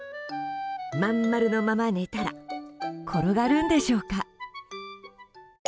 まん丸のまま寝たら転がるんでしょうか？